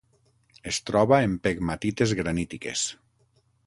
Es troba en pegmatites granítiques.